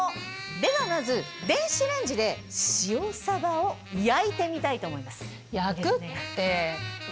ではまず電子レンジで塩サバを焼いてみたいと思います。